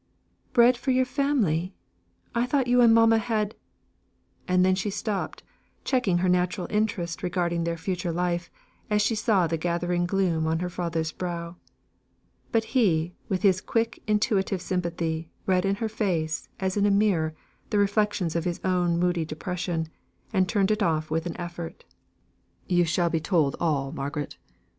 "Bread for your family! I thought you and mamma had" and then she stopped, checking her natural interest regarding their future life, as she saw the gathering gloom on her father's brow. But he, with his quick intuitive sympathy, read in her face, as in a mirror, the reflections of his own moody depression, and turned it off with an effort. "You shall be told all, Margaret.